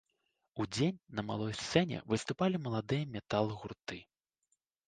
Удзень на малой сцэне выступалі маладыя метал-гурты.